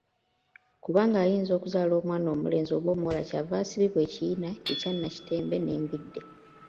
Kubanga ayinza okuzaala omwana omulenzi oba omuwala kyava asibibwa ekiyina ekya nakitembe n'embidde.